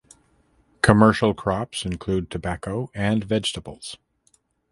Commercial crops include tobacco and vegetables.